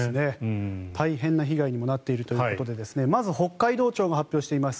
大変な被害にもなっているということでまず北海道庁が発表しています